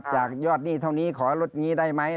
จากยอดหนี้เท่านี้ขอให้ลดนี้ได้ไหม